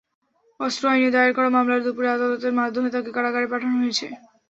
অস্ত্র আইনে দায়ের করা মামলায় দুপুরে আদালতের মাধ্যমে তাঁকে কারাগারে পাঠানো হয়েছে।